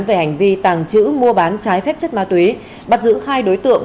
về hành vi tàng trữ mua bán trái phép chất ma túy bắt giữ hai đối tượng